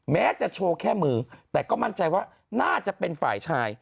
แม้จะโชว์แค่มือแต่ก็มั่นใจว่าน่าจะเป็นฝ่ายชาย